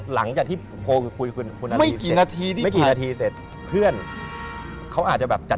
หลังจากที่พูดคุณอารีเสร็จ